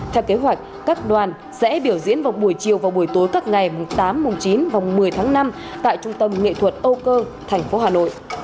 theo kế hoạch các đoàn sẽ biểu diễn vào buổi chiều và buổi tối các ngày tám chín một mươi năm tại trung tâm nghệ thuật âu cơ tp hcm